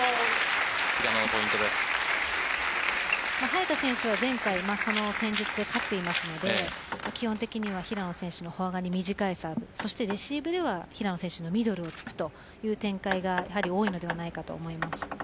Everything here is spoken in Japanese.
早田選手は前回戦術で勝っていますので基本的には平野選手のフォア側に短いサーブ、そしてレシーブでは平野選手のミドルを突くという展開が多いと思います。